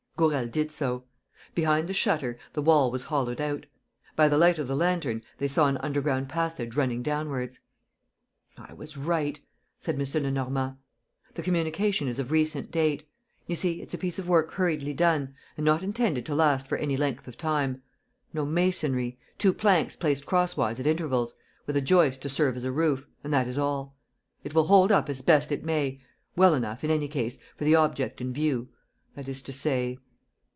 Gourel did so. Behind the shutter, the wall was hollowed out. By the light of the lantern they saw an underground passage running downwards. "I was right," said M. Lenormand.. "The communication is of recent date. You see, it's a piece of work hurriedly done, and not intended to last for any length of time. ... No masonry. ... Two planks placed cross wise at intervals, with a joist to serve as a roof; and that is all. It will hold up as best it may: well enough, in any case, for the object in view, that is to say